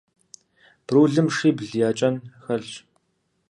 Брулым шибл я кӀэн хэлъщ.